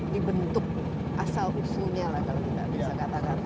dibentuk asal usulnya lah kalau kita bisa katakan